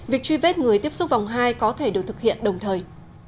việc truy vết người tiếp xúc vòng hai có thể được thực hiện đồng thời